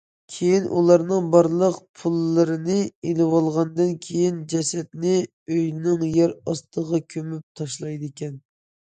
كېيىن ئۇلارنىڭ بارلىق پۇللىرىنى ئېلىۋالغاندىن كېيىن جەسەتنى ئۆينىڭ يەر ئاستىغا كۆمۈپ تاشلايدىكەن.